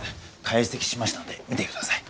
解析しましたので見てください。